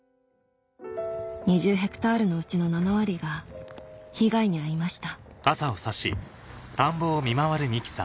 ２０ヘクタールのうちの７割が被害に遭いました